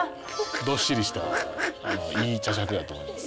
どっしりしたいい茶しゃくやと思います。